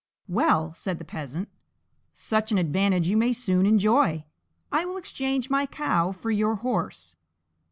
"Well," said the Peasant, "such an advantage you may soon enjoy; I will exchange my cow for your horse."